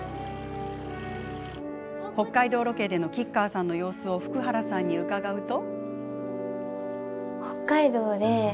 北海道ロケでの吉川さんの様子を福原さんに伺うと。